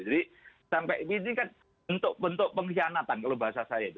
jadi sampai ini kan bentuk bentuk pengkhianatan kalau bahasa saya itu